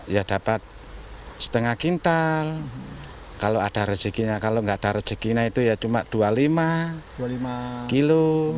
ya dapat setengah kintal kalau ada rezekinya kalau nggak ada rezekinya itu ya cuma dua puluh lima dua puluh lima kilo